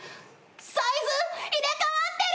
サイズ入れ替わってる！